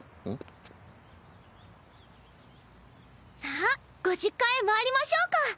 さあご実家へ参りましょうか。